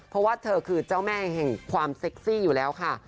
เพราะว่าเธอคือเจ้าแม่แห่งความเซ็กซี่อยู่แล้วค่ะ